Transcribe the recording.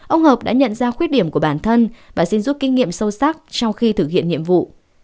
ông hợp đã nhận ra khuyết điểm của bản thân và xin giúp kinh nghiệm sâu sắc trong khi thực hiện nhiệm vụ